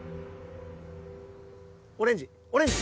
オレンジオレンジ。